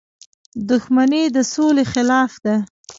• دښمني د سولې خلاف ده.